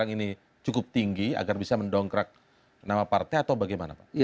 ada kader partai